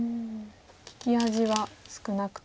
利き味は少なくと。